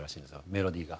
メロディーが。